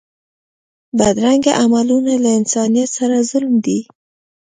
بدرنګه عملونه له انسانیت سره ظلم دی